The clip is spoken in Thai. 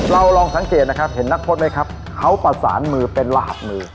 ลองสังเกตนะครับเห็นนักพจน์ไหมครับเขาประสานมือเป็นรหัสมือ